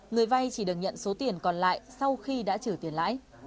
người vay chỉ được nhận số tiền còn lại sau khi đã trừ tiền lãi